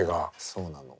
そうなの。